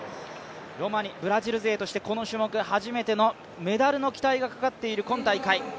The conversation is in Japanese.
ロマニ、ブラジル勢としてこの種目初めてのメダルの期待がかかっている今大会。